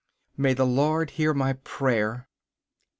May the Lord hear my prayer!